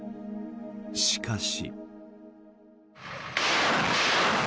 しかし。